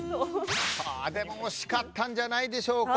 でも惜しかったんじゃないでしょうか。